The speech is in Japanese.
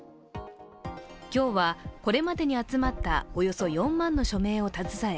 今日はこれまでに集まったおよそ４万の署名を携え